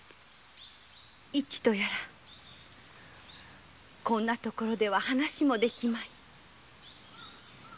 「いち」とやらこんな所では話も出来まい。